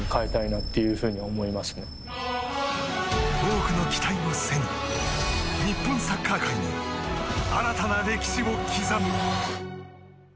多くの期待を背に日本サッカー界に新たな歴史を刻む。